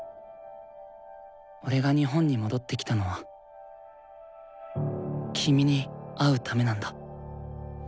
俺が日本に戻ってきたのは君に会うためなんだ。